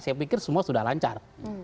saya pikir semua sudah lancar